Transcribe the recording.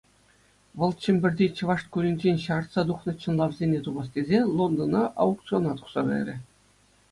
Вӑл Чӗмпӗрти чӑваш шкулӗнчен ҫаратса тухнӑ чӑнлавсене тупас тесе, Лондона аукциона тухса кайрӗ.